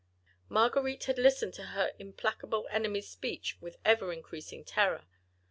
Marguerite had listened to her implacable enemy's speech with ever increasing terror.